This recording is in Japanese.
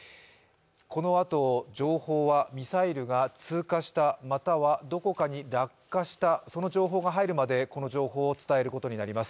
このあと、情報はミサイルが通過した、またはどこかに落下したその情報が入るまでこの情報を伝えることになります。